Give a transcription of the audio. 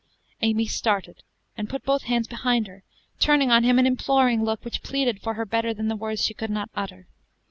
Amy started, and put both hands behind her, turning on him an imploring look, which pleaded for her better than the words she could not utter.